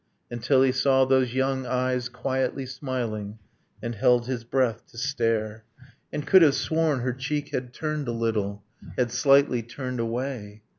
Until he saw those young eyes, quietly smiling, And held his breath to stare, And could have sworn her cheek had turned a little ... Had slightly turned away